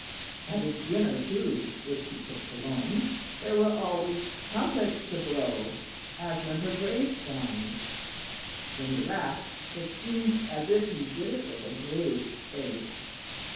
At his dinner, too, which he took alone, there were always trumpets to blow, as when her Grace dines. When he laughed it seemed as if he did it with a grave face.